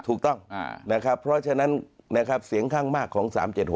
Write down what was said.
ถูกต้องนะครับเพราะฉะนั้นนะครับเสียงข้างมากของ๓๗๖